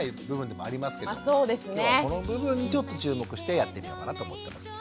あそうですね。今日はこの部分にちょっと注目してやってみようかなと思ってます。